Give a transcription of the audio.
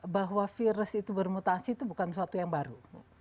bahwa virus itu bermutasi itu bukan sesuatu yang baru